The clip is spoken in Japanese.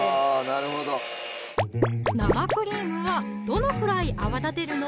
なるほど生クリームはどのくらい泡立てるの？